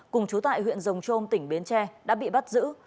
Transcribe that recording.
cùng chú tại huyện rồng trôm tỉnh bến tre đã bị bắt giữ